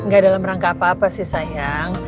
gak dalam rangka apa apa sih sayang